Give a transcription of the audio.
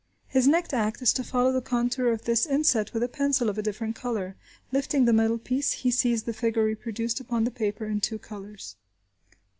His next act is to follow the contour of this inset with a pencil of a different colour. Lifting the metal piece, he sees the figure reproduced upon the paper, in two colours.